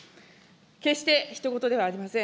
決してひと事ではありません。